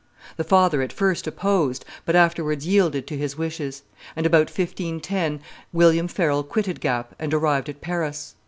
The father at first opposed, but afterwards yielded to his wishes; and, about 1510, William Farel quitted Gap and arrived at Paris.